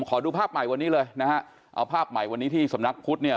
ขอดูภาพใหม่วันนี้เลยนะฮะเอาภาพใหม่วันนี้ที่สำนักพุทธเนี่ย